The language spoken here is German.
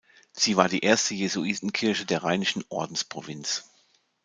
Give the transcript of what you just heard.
Sie war die erste Jesuitenkirche der Rheinischen Ordensprovinz.